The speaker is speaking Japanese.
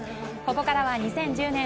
ここからは２０１０年